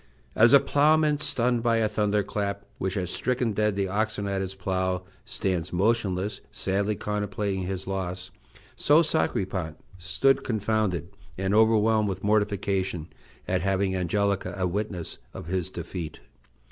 As a ploughman, stunned by a thunder clap which has stricken dead the oxen at his plough, stands motionless, sadly contemplating his loss, so Sacripant stood confounded and overwhelmed with mortification at having Angelica a witness of his defeat.